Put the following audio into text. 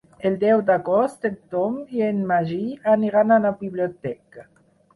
El deu d'agost en Tom i en Magí aniran a la biblioteca.